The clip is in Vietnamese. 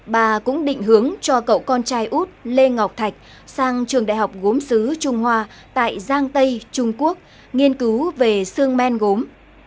bà cũng định hướng cho cậu con trai út lê ngọc thạch sang trường đại học gốm xứ trung hoa tại giang tây trung quốc nghiên cứu về xương men gốm